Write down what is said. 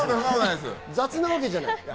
雑なわけじゃない？